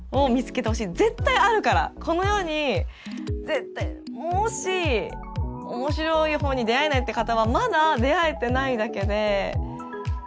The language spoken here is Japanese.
やっぱりもし面白い本に出会えないって方はまだ出会えてないだけでうん。